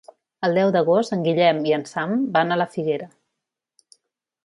El deu d'agost en Guillem i en Sam van a la Figuera.